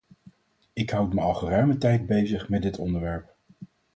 Ik houd me al geruime tijd bezig met dit onderwerp.